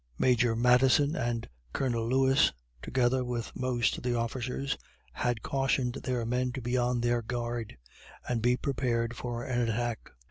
Major Madison and Colonel Lewis, together with most of the officers, had cautioned their men to be on their guard, and be prepared for an attack.